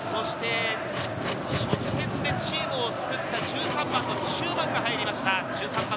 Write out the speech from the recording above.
初戦でチームを救った１３番の中馬が入りました。